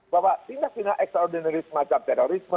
bahwa tindak pidana ekstra ordinary semacam terorisme